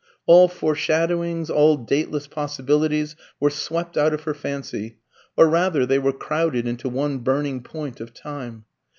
All foreshadowings, all dateless possibilities, were swept out of her fancy; or rather, they were crowded into one burning point of time.